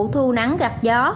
thu nắng gạt gió